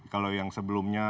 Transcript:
kalau yang sebelumnya